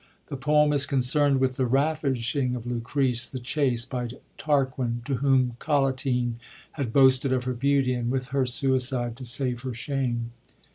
The poem is concernd with the ravishing of Lucrece the chaste, by Tarquin, to whom Collatine had boasted of her beauty, and with her suicide to save her shame.